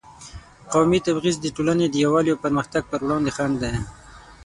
قومي تبعیض د ټولنې د یووالي او پرمختګ پر وړاندې خنډ دی.